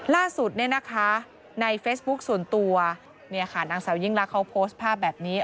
ล่าสุดในเฟสบุ๊คส่วนตัวนางสาวยิ่งลักษณ์เขาโพสต์ภาพแบบนี้